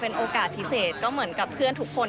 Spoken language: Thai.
โอกาสพิเศษก็เหมือนกับเพื่อนทุกคน